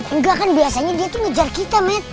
enggak kan biasanya dia tuh ngejar kita mat